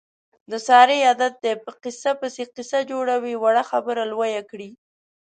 د سارې عادت دی، په قیصه پسې قیصه جوړوي. وړه خبره لویه کړي.